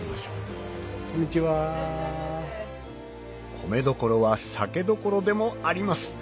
米どころは酒どころでもあります